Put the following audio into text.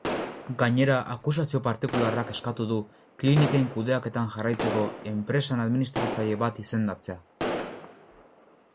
Gainera, akusazio partikularrak eskatu du kliniken kudeaketan jarraitzeko enpresan administratzaile bat izendatzea.